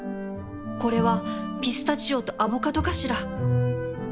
これはピスタチオとアボカドかしら？